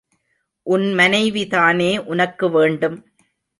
உன் மனைவிதானே உனக்கு வேண்டும்!